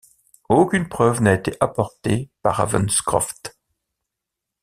Aucune preuve n'a été apportée par Ravenscroft.